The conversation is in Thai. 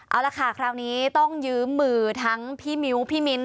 เอาละค่ะคราวนี้ต้องยืมมือทั้งพี่มิ้วพี่มิ้นท